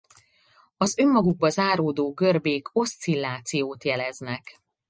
Az önmagukba záródó görbék oszcillációt jeleznek.